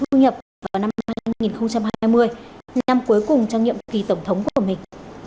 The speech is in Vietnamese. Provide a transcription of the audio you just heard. hoặc không trả thuế thu nhập trong những năm nay